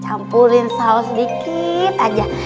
campurin saus sedikit aja